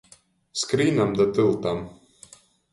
Skrīnam da tyltam.